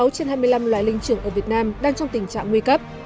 một mươi sáu trên hai mươi năm loài linh trưởng ở việt nam đang trong tình trạng nguy cấp